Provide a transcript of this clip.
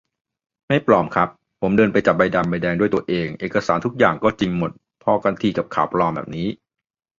ไม่ปลอมครับ ผมเดินไปจับใบดำใบแดงด้วยตัวเอง เอกสารทุกอย่างก็จริงหมด พอกันทีกับข่าวปลอมแบบนี้